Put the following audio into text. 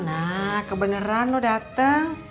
nah kebeneran lu dateng